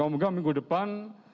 mungkin minggu depan